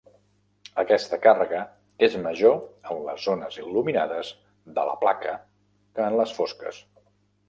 Aquesta càrrega és major en les zones il·luminades de la placa que en les fosques.